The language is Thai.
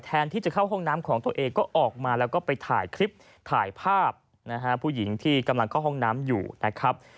ที่จะเข้าห้องน้ำของตัวเองก็ออกมาแล้วก็ไปถ่ายคลิปถ่ายภาพนะฮะผู้หญิงที่กำลังเข้าห้องน้ำอยู่นะครับ